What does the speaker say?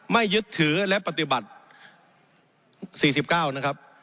ไม่ยึดถือและปฏิบัติสี่สิบเก้านะครับ